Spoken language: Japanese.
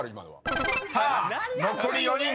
［さあ残り４人。